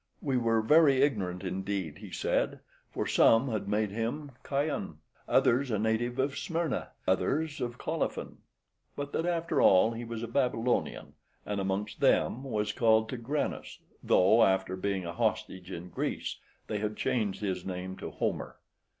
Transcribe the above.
We were very ignorant indeed, he said, for some had made him a Chian, others a native of Smyrna, others of Colophon, but that after all he was a Babylonian, and amongst them was called Tigranes, though, after being a hostage in Greece, they had changed his name to Homer.